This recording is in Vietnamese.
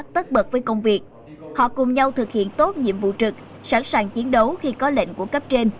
tất bật với công việc họ cùng nhau thực hiện tốt nhiệm vụ trực sẵn sàng chiến đấu khi có lệnh của cấp trên